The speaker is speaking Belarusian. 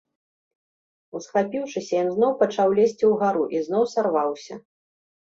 Усхапіўшыся, ён зноў пачаў лезці ўгару і зноў сарваўся.